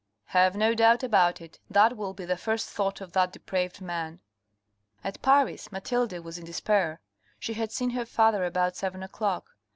" Have no doubt about it, that will be the first thought of that depraved man." At Paris, Mathilde was in despair. She had seen her father about seven o'clock.